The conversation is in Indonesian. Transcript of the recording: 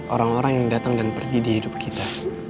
orang orang yang datang dan pergi di hidup kita